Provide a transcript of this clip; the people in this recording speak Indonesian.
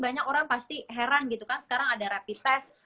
banyak orang pasti heran gitu kan sekarang ada rapid test